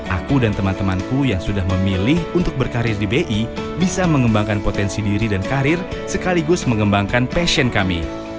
aku dan teman temanku yang sudah memilih untuk berkarir di bi bisa mengembangkan potensi diri dan karir sekaligus mengembangkan passion kami